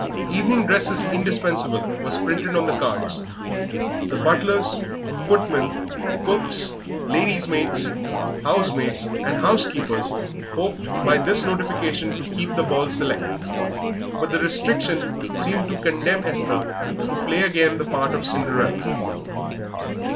"Evening dress is indispensable" was printed on the cards. The butlers, footmen, cooks, ladies' maids, housemaids, and housekeepers hoped by this notification to keep the ball select. But the restriction seemed to condemn Esther to play again the part of Cinderella.